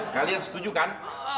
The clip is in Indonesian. kalian setuju kan